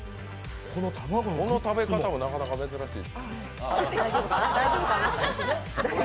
この食べ方もなかなか珍しい。